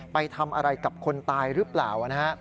ไปทำอะไรกับคนตายหรือเปล่านะฮะ